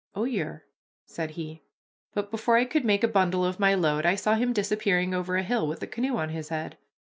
"Oh, yer," said he; but before I could make a bundle of my load I saw him disappearing over a hill with the canoe on his head.